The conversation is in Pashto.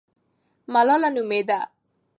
ملاله نومېده.